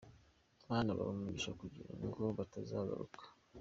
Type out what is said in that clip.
Mana, bahe umugisha kugira ngo batazagaruka.